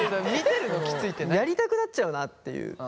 やりたくなっちゃうなっていう。